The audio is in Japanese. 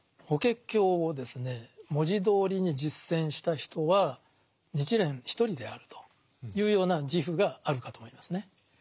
「法華経」をですね文字どおりに実践した人は日蓮一人であるというような自負があるかと思いますね。